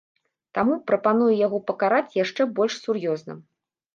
Таму прапаную яго пакараць яшчэ больш сур'ёзна.